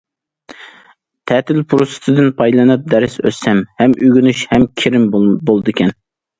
تەتىل پۇرسىتىدىن پايدىلىنىپ دەرس ئۆتسەم، ھەم ئۆگىنىش، ھەم كىرىم بولىدىكەن.